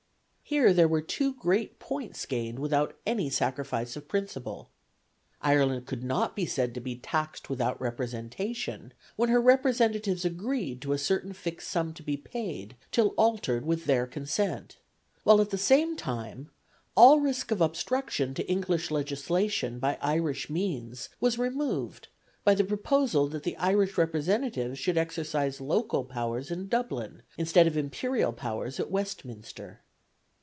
Here there were two great points gained without any sacrifice of principle. Ireland could not be said to be taxed without representation when her representatives agreed to a certain fixed sum to be paid till altered with their consent; while at the same time all risk of obstruction to English legislation by Irish means was removed by the proposal that the Irish representatives should exercise local powers in Dublin instead of imperial powers at Westminster.